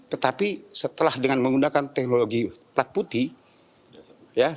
tetapi setelah dengan menggunakan teknologi plat putih